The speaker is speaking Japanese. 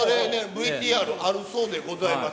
ＶＴＲあるそうでございます。